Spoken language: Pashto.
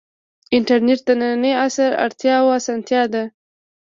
انټرنیټ د ننني عصر اړتیا او اسانتیا ده.